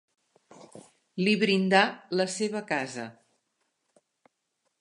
Li brindà la seva casa.